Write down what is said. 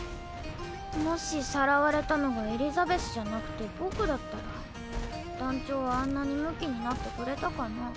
もしさらわれたのがエリザベスじゃなくて僕だったら団長はあんなにムキになってくれたかな？